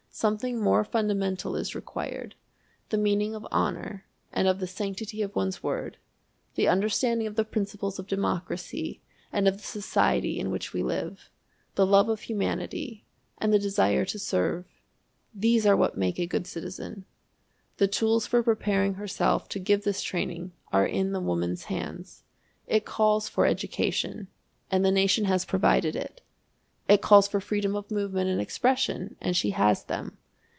Something more fundamental is required. The meaning of honor and of the sanctity of one's word, the understanding of the principles of democracy and of the society in which we live, the love of humanity, and the desire to serve, these are what make a good citizen. The tools for preparing herself to give this training are in the woman's hands. It calls for education, and the nation has provided it. It calls for freedom of movement and expression, and she has them.